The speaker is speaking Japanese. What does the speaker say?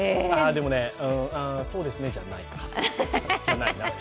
でも、そうですねでもないか。